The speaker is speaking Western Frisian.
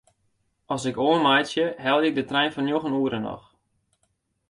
As ik oanmeitsje helje ik de trein fan njoggen oere noch.